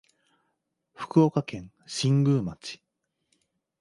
福岡県新宮町